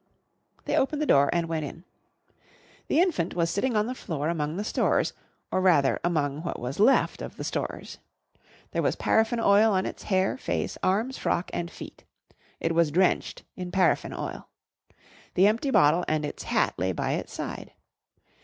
They opened the door and went in. The infant was sitting on the floor among the stores, or rather among what was left of the stores. There was paraffin oil on its hair, face, arms, frock and feet. It was drenched in paraffin oil. The empty bottle and its hat lay by its side.